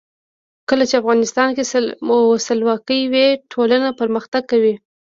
کله چې افغانستان کې ولسواکي وي ټولنه پرمختګ کوي.